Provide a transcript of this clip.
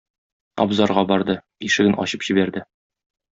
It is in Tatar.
Абзарга барды, ишеген ачып җибәрде.